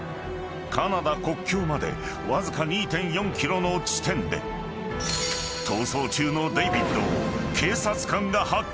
［カナダ国境までわずか２．４ｋｍの地点で逃走中のデイビッドを警察官が発見］